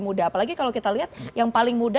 muda apalagi kalau kita lihat yang paling muda